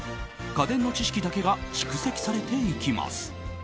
家電の知識だけが蓄積されていきます。